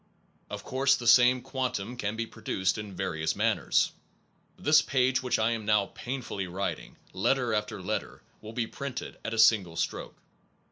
Of course the same quantum can be produced in various manners. This page which I am now painfully writing, letter after letter, will be printed at a single stroke.